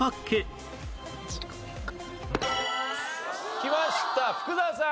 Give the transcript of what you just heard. きました福澤さん。